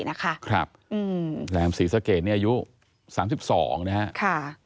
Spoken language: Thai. แหลมศรีษัฒร์เก๋นเนี่ยอายุ๓๒นะคะ